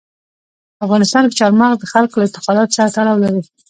په افغانستان کې چار مغز د خلکو له اعتقاداتو سره تړاو لري.